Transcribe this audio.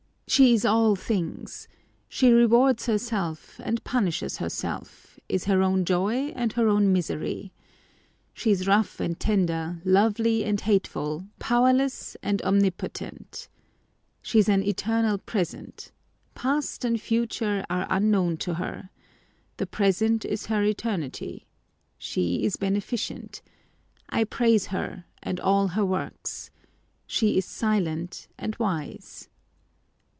She is all things. She rewards herself and punishes herself; is her own joy and her own misery. She is rough and tender, lovely and hateful, powerless and omnipotent. She is an eternal present. Past and future are unknown to her. The present is her etermty. She is beneficent. I praise her and all her works. She is silent and wise.